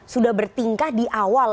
sudah bertingkah di awal